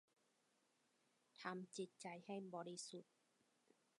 ทำจิตใจให้บริสุทธิ์